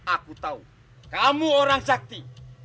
aku tahu kamu orang sakti